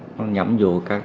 nó nhắm vô các